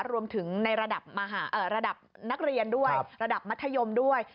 รวมถึงในระดับระดับนักเรียนด้วยระดับมัธยมด้วย